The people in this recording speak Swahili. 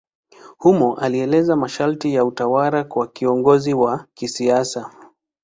Humo alieleza masharti ya utawala kwa kiongozi wa kisiasa.